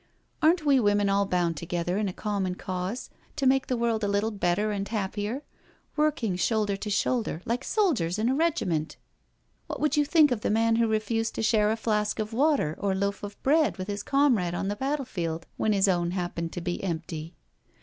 "Aren't we women all bound together in a common cause to make the world a little better and happier— working shoulder to shoulder, like soldiers in a regiment? What would you think of the man who refused to share a flask of water or loaf of bread with his comrade on the battle field when his own happened to be empty?